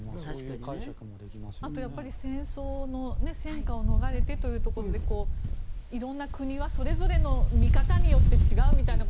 あとは戦争の戦火を逃れてということで色んな国はそれぞれの見方によって違うみたいな